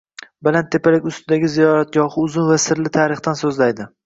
Baland tepalik ustidagi ziyoratgohi uzun va sirli tarixdan so‘zlaydi.